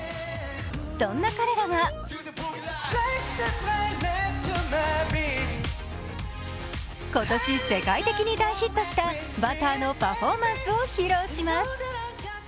そんな彼らが今年、世界的に大ヒットした「Ｂｕｔｔｅｒ」のパフォーマンスを披露します。